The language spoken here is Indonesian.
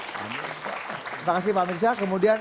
terima kasih pak amir syah kemudian